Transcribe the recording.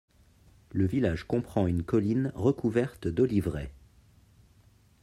Le village comprend une colline recouverte d'oliveraies.